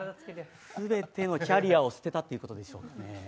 全てのキャリアを捨てたってことでしょうかね。